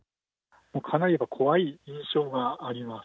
かなり怖い印象があります。